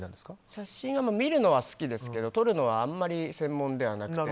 写真は、見るのは好きですけど撮るのは専門ではなくて。